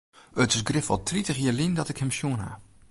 It is grif wol tritich jier lyn dat ik him sjoen ha.